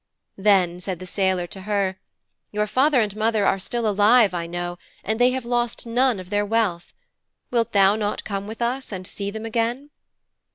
"' 'Then the sailor said to her, "Your father and mother are still alive, I know, and they have lost none of their wealth. Wilt thou not come with us and see them again?"'